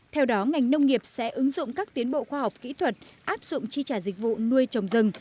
theo đó ngành nông nghiệp sẽ ứng dụng các tiến bộ khoa học kỹ thuật áp dụng chi trả dịch vụ nuôi trồng rừng